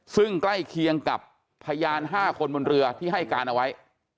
ซึ่งใกล้เคียงกับพยาน๕คนบนเรือที่ให้การเอาไว้